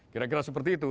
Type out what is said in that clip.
kira kira seperti itu